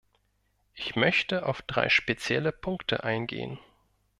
Ich möchte auf drei spezielle Punkte eingehen.